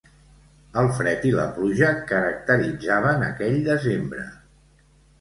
El fred i la pluja caracteritzaven aquell desembre.